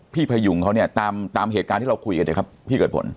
พยุงเขาเนี่ยตามเหตุการณ์ที่เราคุยกันเนี่ยครับพี่เกิดผล